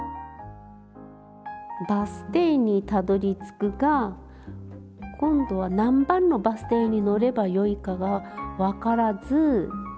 バス停にたどりつくが今度は何番のバス停に乗ればよいかが分からずまた